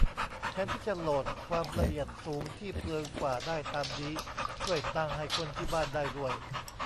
แทนที่จะโหลดความละเอียดสูงที่เปลืองกว่า ได้ตามนี้ ช่วยตั้งให้คนที่บ้านได้ด้วย